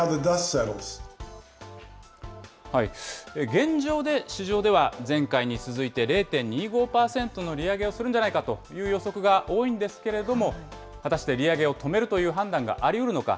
現状で、市場では前回に続いて０．２５％の利上げをするんじゃないかという予測が多いんですけれども、果たして利上げを止めるという判断がありうるのか。